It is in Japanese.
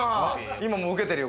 今も受けてるよ。